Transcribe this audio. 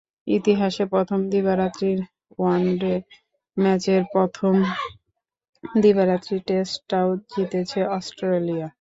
ইতিহাসের প্রথম দিবারাত্রির ওয়ানডে ম্যাচের মতো প্রথম দিবারাত্রির টেস্টটাও জিতেছে অস্ট্রেলিয়া।